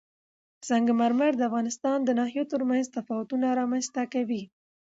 سنگ مرمر د افغانستان د ناحیو ترمنځ تفاوتونه رامنځ ته کوي.